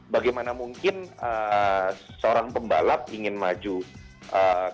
bagaimana mungkin seorang pembalap ingin maju kemudian ikut dalam perusahaan